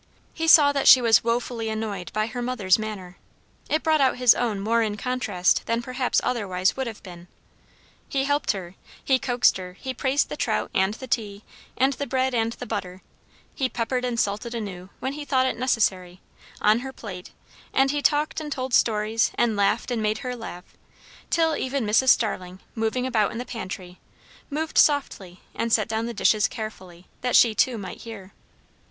He saw that she was wofully annoyed by her mother's manner; it brought out his own more in contrast than perhaps otherwise would have been. He helped her, he coaxed her, he praised the trout, and the tea, and the bread, and the butter; he peppered and salted anew, when he thought it necessary, on her own plate; and he talked and told stories, and laughed and made her laugh, till even Mrs. Starling, moving about in the pantry, moved softly and set down the dishes carefully, that she too might hear.